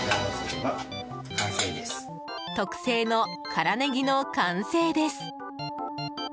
特製の辛ネギの完成です。